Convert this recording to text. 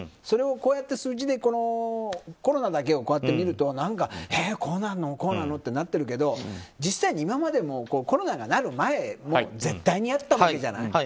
それを超えて数字でコロナだけをこうやってみるとえーこうなの？ってなってるけど実際に今まで、コロナになる前も絶対にあったわけじゃない。